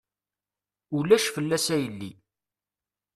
Ulac fell-as a yelli.